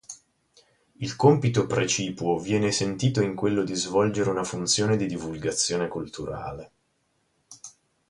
Il compito precipuo viene sentito in quello di svolgere una funzione di divulgazione culturale.